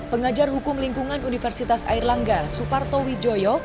pengajar hukum lingkungan universitas air langgar suparto widjoyo